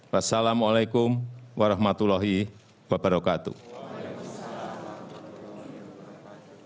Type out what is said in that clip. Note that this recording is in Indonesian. wassalamu'alaikum warahmatullahi wabarakatuh